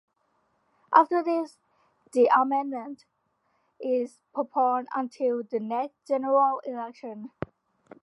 After this, the amendment is postponed until the next general election.